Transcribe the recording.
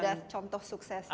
sudah contoh suksesnya itu